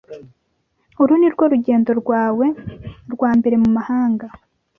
Uru nirwo rugendo rwawe rwa mbere mumahanga?